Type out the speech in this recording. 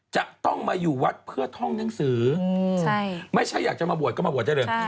จะต้องมาอยู่วัดเพื่อท่องหนังสือไม่ใช่อยากจะมาบวชก็มาบวชได้เลย